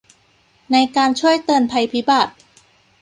ในการช่วยเตือนภัยพิบัติ